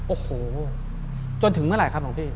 โอ้โหจนถึงเมื่อไหร่ครับหลวงพี่